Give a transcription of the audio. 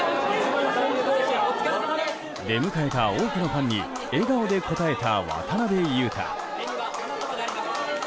出迎えた多くのファンに笑顔で応えた渡邊雄太。